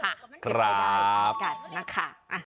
เก็บบัตรกันนะคะ